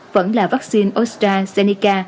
vẫn là vaccine astrazeneca